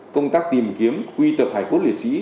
công tác tìm kiếm quy tập hải cốt liệt sĩ